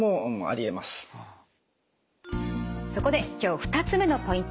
そこで今日２つ目のポイント